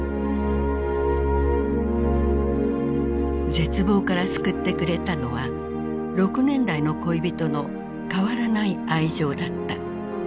絶望から救ってくれたのは６年来の恋人の変わらない愛情だった。